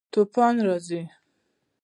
توپان راځي